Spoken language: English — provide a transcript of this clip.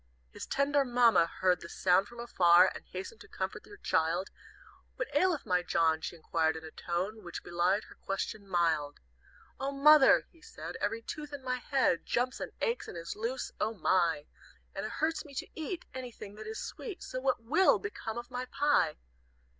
"His tender Mamma Heard the sound from afar, And hastened to comfort her child; 'What aileth my John?' She inquired in a tone Which belied her question mild. "'Oh, Mother,' he said, 'Every tooth in my head Jumps and aches and is loose, O my! And it hurts me to eat Anything that is sweet So what will become of my pie?'